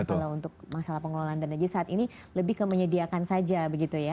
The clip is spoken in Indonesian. kalau untuk masalah pengelolaan dan energi saat ini lebih ke menyediakan saja begitu ya